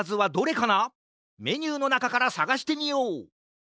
メニューのなかからさがしてみよう！